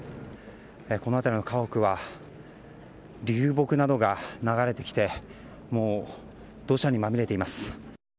この辺りの家屋は流木などが流れてきてもう土砂にまみれています。